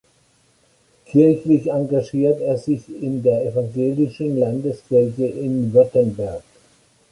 Kirchlich engagiert er sich in der Evangelischen Landeskirche in Württemberg.